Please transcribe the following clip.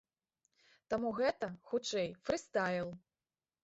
Таму гэта, хутчэй, фрыстайл.